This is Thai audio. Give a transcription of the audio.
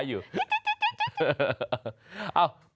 มีอย่างไรบ้างครับ